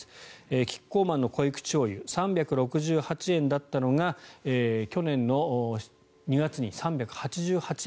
キッコーマンのこいくちしょうゆ３６８円だったのが去年の２月に３８８円。